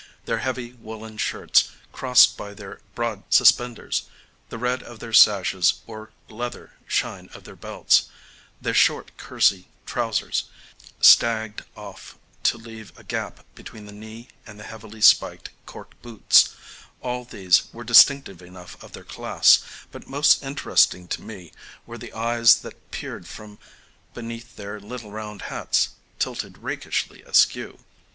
Their heavy woollen shirts crossed by the broad suspenders, the red of their sashes or leather shine of their belts, their short kersey trousers "stagged" off to leave a gap between the knee and the heavily spiked "cork boots" all these were distinctive enough of their class, but most interesting to me were the eyes that peered from beneath their little round hats tilted rakishly askew.